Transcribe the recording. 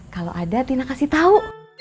kalo ada tina kasih tau